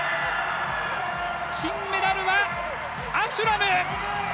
金メダルはアシュラム。